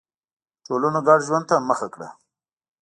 ټولنو ګډ ژوند ته مخه کړه.